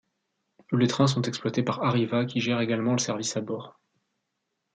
Les trains sont exploités par Arriva, qui gère également le service à bord.